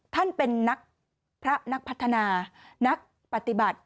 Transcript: ท่านเป็นนักพระนักพัฒนานักปฏิบัติ